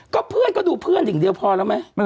ก็เพื่อนก็ดูเพื่อนอย่างเดียวพอแล้วไหม